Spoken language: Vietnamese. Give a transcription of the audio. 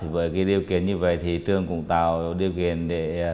với cái điều kiện như vậy thì trường cũng tạo điều kiện để